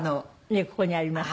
ここにあります。